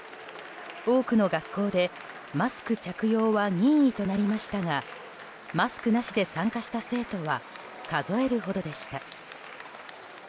多くの学校でマスク着用は任意となりましたがマスクなしで参加した生徒は数えるほどでした。